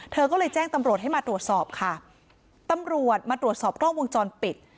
เธอก็เลยแจ้งตำรวจให้มาตรวจสอบค่ะตำรวจมาตรวจสอบกล้องวงจรปิด